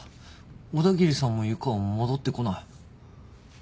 小田切さんも湯川も戻ってこない。